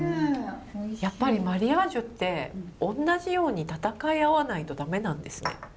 やっぱりマリアージュっておんなじように戦い合わないと駄目なんですね。